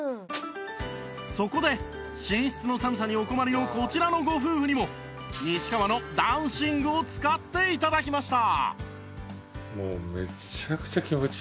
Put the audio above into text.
そこで寝室の寒さにお困りのこちらのご夫婦にも西川の暖寝具を使って頂きました！